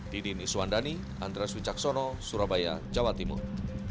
didi nisuandani andres wicaksono surabaya jawa timur